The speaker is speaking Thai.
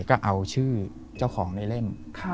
ก็เอาชื่อเจ้าของได้เล่น